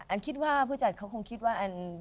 คิดว่าผู้จัดเขาคงคิดว่าอัน